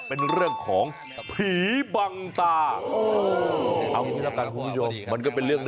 เป็นไปได้ว่าคุณตาอาจจะหูไม่ดีแล้ว